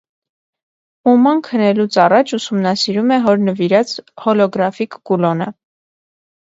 Ուման քնելուց առաջ ուսումնասիրում է հոր նվիրած հոլոգրաֆիկ կուլոնը։